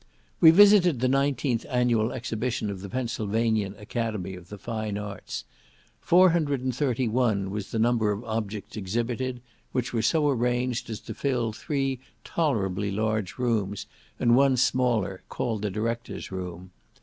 We visited the nineteenth annual exhibition of the Pennsylvanian academy of the fine arts; 431 was the number of objects exhibited, which were so arranged as to fill three tolerably large rooms, and one smaller called the director's room.